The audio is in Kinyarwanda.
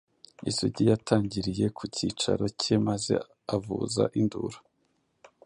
Isugi yatangiriye ku cyicaro cye, maze avuza induru